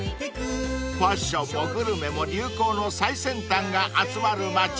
［ファッションもグルメも流行の最先端が集まる街］